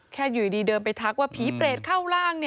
อยู่ดีเดินไปทักว่าผีเปรตเข้าร่าง